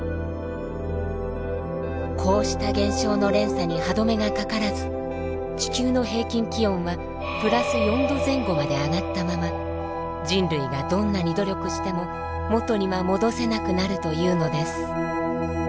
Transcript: こうした現象の連鎖に歯止めがかからず地球の平均気温は＋４℃前後まで上がったまま人類がどんなに努力しても元には戻せなくなるというのです。